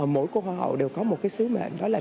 mỗi cuộc hoa hậu đều có một cái sứ mệnh đó là